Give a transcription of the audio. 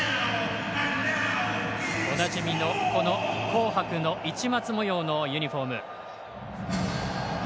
おなじみの紅白の市松模様のユニフォーム。